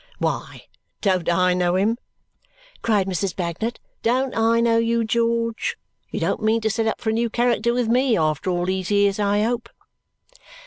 Why, don't I know him!" cried Mrs. Bagnet. "Don't I know you, George! You don't mean to set up for a new character with ME after all these years, I hope?"